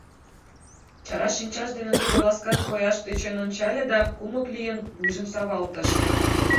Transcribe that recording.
Чара шинчаж дене тудо ласкан кояш тӧчен ончале да, кумык лийын, вуйжым савалтыш.